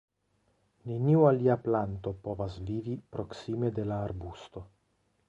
Neniu alia planto povas vivi proksime de la arbusto.